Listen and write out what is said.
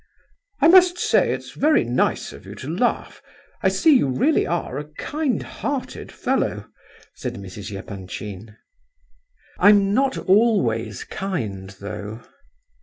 "I must say it's very nice of you to laugh. I see you really are a kind hearted fellow," said Mrs. Epanchin. "I'm not always kind, though."